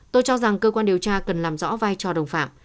tôi cho rằng cơ quan điều tra cần làm rõ vai trò đồng phạm